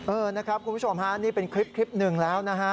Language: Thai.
เออนะครับคุณผู้ชมฮะนี่เป็นคลิปหนึ่งแล้วนะฮะ